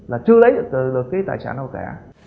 là chưa lấy được cái tài trản nào cả